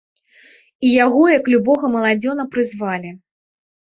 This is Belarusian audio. І яго як любога маладзёна прызвалі.